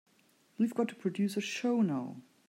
We've got to produce a show now.